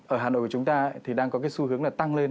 ở hà nội của chúng ta thì đang có xu hướng tăng lên